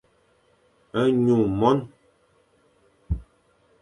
Nyu mon.